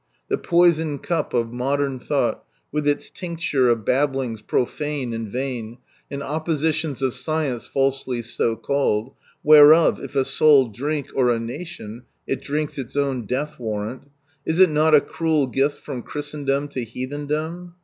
The Poison Cup of " Modern Thought," with its tincture of babblings profane and vain, and oppositions of science falsely so called, whereof, if a soul drink or a nation, it drinks its own death warrant — is it not a cruel gift from Chris tendom to Heathendom?